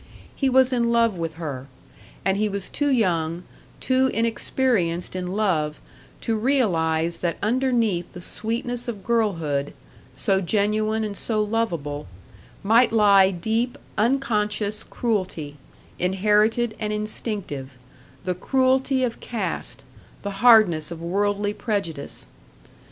He was in love with her; and he was too young, too inexperienced in love to realise that underneath the sweetness of girlhood, so genuine and so lovable, might lie deep, unconscious cruelty, inherited and instinctive the cruelty of caste, the hardness of worldly prejudice.